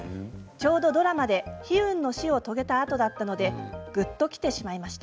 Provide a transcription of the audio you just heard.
ちょうどドラマで悲運の死を遂げたあとだったのでぐっときてしまいました。